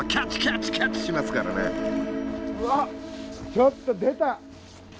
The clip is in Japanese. ちょっと出た！